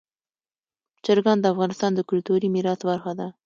چرګان د افغانستان د کلتوري میراث برخه ده.